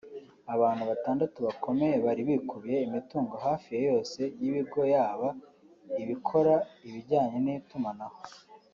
abantu batandatu bakomeye bari bikubiye imitungo hafi ya yose y’ibigo yaba ibikora ibijyanye n’itumanaho